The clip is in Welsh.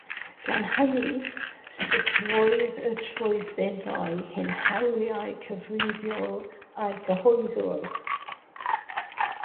Gan hynny, sicrhaodd y trwyddedau hyn hawliau cyfreithiol eu cyhoeddwyr.